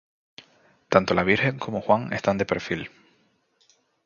Tanto la Virgen como Juan están de perfil.